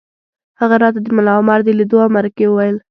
هغه راته د ملا عمر د لیدو او مرکې وویل